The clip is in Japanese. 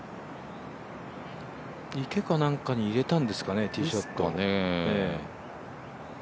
池かなんかに入れたんですかねティーショット。